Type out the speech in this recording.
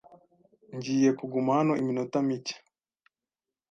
Ngiye kuguma hano iminota mike.